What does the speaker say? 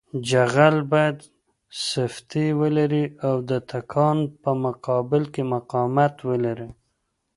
جغل باید سفتي ولري او د تکان په مقابل کې مقاومت وکړي